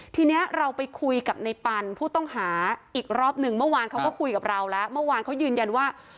ทีนี้เราไปคุยกับในปันผู้ต้องหาอีกรอบหนึ่งเมื่อวานเขาก็คุยกับเราแล้วเมื่อวานเขายืนยันว่า